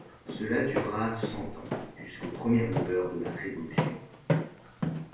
Cela dura cent ans, jusqu'aux premières lueurs de la Révolution.